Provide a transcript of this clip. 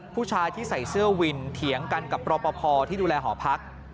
ผู้ชายที่ใส่เสื้อวินเถียงกันกับรอปภที่ดูแลหอพัก